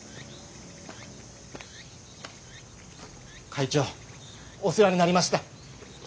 会長お世話になりました。